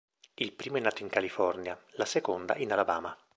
Il primo è nato in California, la seconda in Alabama.